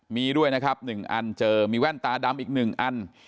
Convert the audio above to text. มีด้วยนะครับหนึ่งอันเจอมีแว่นตาดำอีกหนึ่งอัน